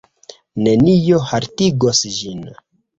Nenio haltigos ĝin.